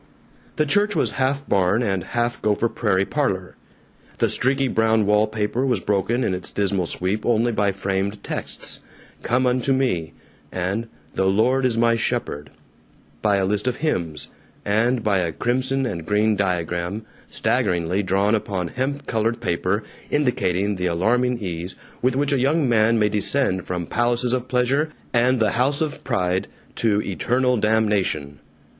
The church was half barn and half Gopher Prairie parlor. The streaky brown wallpaper was broken in its dismal sweep only by framed texts, "Come unto Me" and "The Lord is My Shepherd," by a list of hymns, and by a crimson and green diagram, staggeringly drawn upon hemp colored paper, indicating the alarming ease with which a young man may descend from Palaces of Pleasure and the House of Pride to Eternal Damnation.